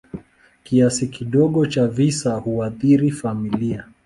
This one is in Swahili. Kiasi kidogo cha visa huathiri familia.